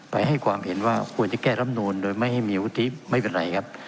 ให้ความเห็นว่าควรจะแก้รำนูนโดยไม่ให้มีวุฒิไม่เป็นไรครับ